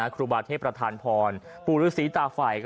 ครูบาเทพประธานพรปู่ฤษีตาไฟ